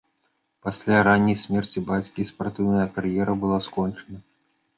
Пасля ранняй смерці бацькі спартыўная кар'ера была скончана.